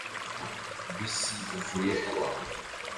Bisi yuzuye abantu